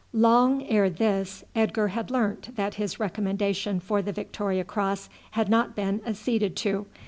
Long ere this Edgar had learnt that his recommendation for the Victoria Cross had not been acceded to.